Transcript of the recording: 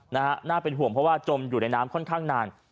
น่าเป็นห่วงเพราะว่าจมอยู่ในน้ำค่อนข้างนาน